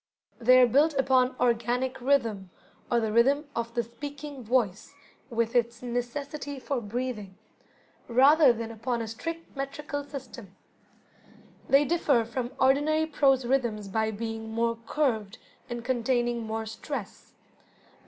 They are built upon "organic rhythm", or the rhythm of the speaking voice with its necessity for breathing, rather than upon a strict metrical system. They differ from ordinary prose rhythms by being more curved, and containing more stress.